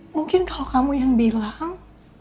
mungkin kalau kamu yang bilang